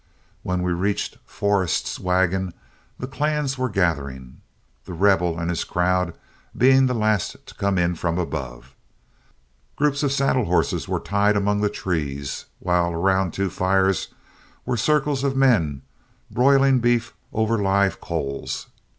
When we reached Forrest's wagon the clans were gathering, The Rebel and his crowd being the last to come in from above. Groups of saddle horses were tied among the trees, while around two fires were circles of men broiling beef over live coals.